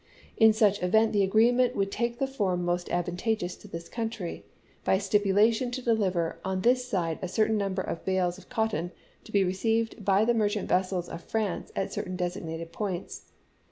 In such event the agreement would take the form most advantageous to this country, by a stipulation to deliver on this side a certain number of bales of cotton to be received by the merchant vessels of France at certain designated points.